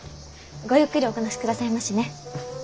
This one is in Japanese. ごゆっくりお話しくださいましね。